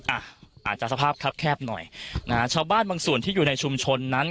อาจจะสภาพคับแคบหน่อยนะฮะชาวบ้านบางส่วนที่อยู่ในชุมชนนั้น